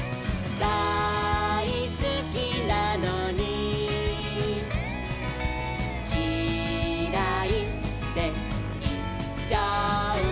「だいすきなのにキライっていっちゃう」